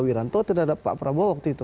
wiranto terhadap pak prabowo waktu itu